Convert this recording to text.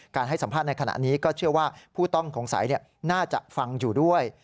ให้สัมภาษณ์ในขณะนี้ก็เชื่อว่าผู้ต้องสงสัยน่าจะฟังอยู่ด้วย